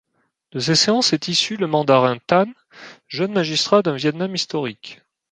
De ces séances est issu le mandarin Tân, jeune magistrat d’un Viêt Nam historique.